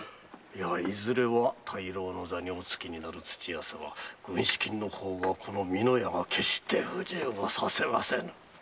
いずれは大老の座におつきになる土屋様軍資金の方はこの美濃屋が決して不自由はさせませぬ。